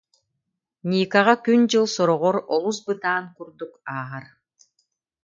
Никаҕа күн-дьыл сороҕор олус бытаан курдук ааһар